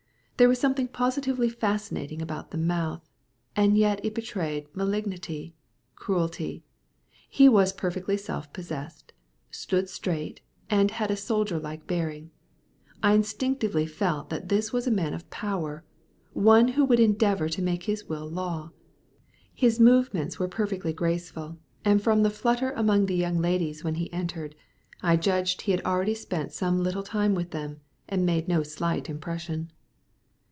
There was something positively fascinating about the mouth, and yet it betrayed malignity cruelty. He was perfectly self possessed, stood straight, and had a soldier like bearing. I instinctively felt that this was a man of power, one who would endeavour to make his will law. His movements were perfectly graceful, and from the flutter among the young ladies when he entered, I judged he had already spent some little time with them, and made no slight impression.